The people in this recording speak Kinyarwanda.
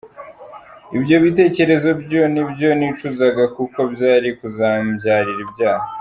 Ibyo bitekerezo byose nibyo nicuzaga kuko byari kuzambyarira ibyaha.